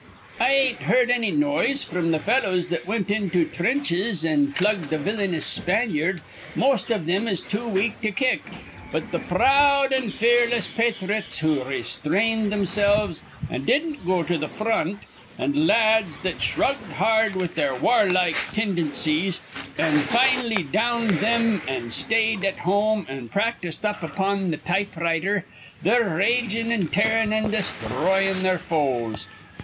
"I ain't heerd anny noise fr'm th' fellows that wint into threnches an' plugged th' villyanious Spanyard. Most iv thim is too weak to kick. But th' proud an' fearless pathrites who restrained thimsilves, an' didn't go to th' fr ront, th' la ads that sthruggled hard with their warlike tindincies, an' fin'lly downed thim an' stayed at home an' practised up upon th' typewriter, they're ragin' an' tearin' an' desthroyin' their foes.